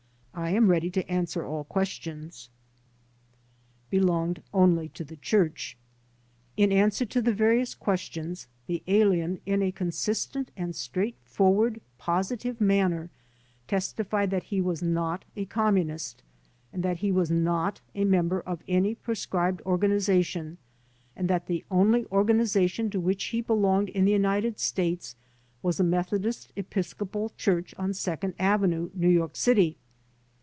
I am ready to answer all ques tions." Belonged Only to the Church In answer to the various questions the alien in a con sistent and straightforward, positive manner testified that he was not a Communist, and that he was not a mem ber of any proscribed organization and that the only or ganization to which he belonged in the United States was the Methodist Episcopal Church on Second Avenue, New York City.